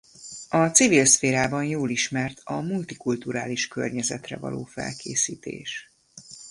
A civil szférában jól ismert a multikulturális környezetre való felkészítés.